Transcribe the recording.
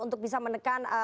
untuk bisa menekan